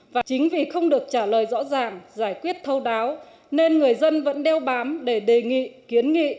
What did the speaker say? và chính vì không được trả lời rõ ràng giải quyết thâu đáo nên người dân vẫn đeo bám để đề nghị kiến nghị